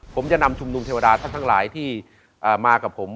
ผมจะนำชุมนุมเทวดาทั้งที่มากับผม